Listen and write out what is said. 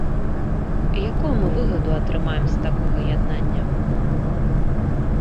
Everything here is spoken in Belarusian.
Якую мы выгаду атрымаем з такога яднання?